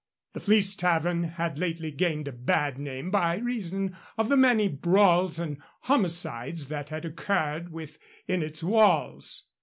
The Fleece Tavern had lately gained a bad name by reason of the many brawls and homicides that had occurred within its walls.